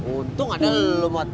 untung ada lu mod